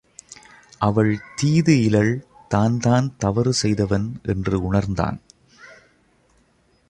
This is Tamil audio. அவள் தீது இலள் தான் தான் தவறுசெய்தவன் என்று உணர்ந்தான்.